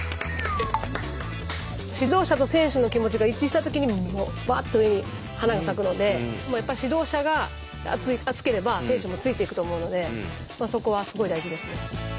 指導者と選手の気持ちが一致した時にうわっと上に花が咲くのでやっぱ指導者が熱ければ選手もついていくと思うのでそこはすごい大事ですね。